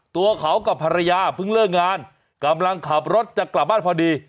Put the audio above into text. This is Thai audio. ตัวเขากับภรรยาเพิ่งเลิกงานกำลังขับรถจะกลับบ้านพอดี